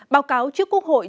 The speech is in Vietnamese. báo cáo trước quốc hội